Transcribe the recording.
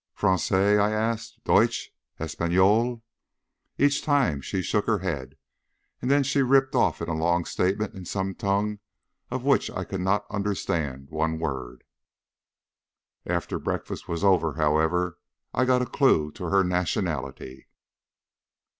"Francais?" I asked. "Deutsch?" "Espagnol?" each time she shook her head, and then she rippled off into a long statement in some tongue of which I could not understand one word. After breakfast was over, however, I got a clue to her nationality.